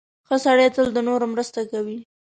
• ښه سړی تل د نورو مرسته کوي.